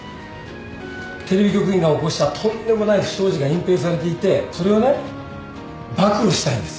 テレビ局員が起こしたとんでもない不祥事が隠蔽されていてそれをね暴露したいんです。